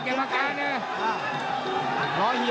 มันต้องอย่างงี้มันต้องอย่างงี้